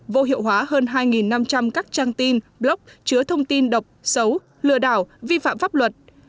vô hiệu hóa hơn hai năm trăm linh các trang tin blog chứa thông tin độc xấu lừa đảo vi phạm pháp luật